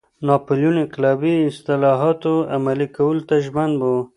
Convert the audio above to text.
ناپلیون انقلابي اصلاحاتو عملي کولو ته ژمن و.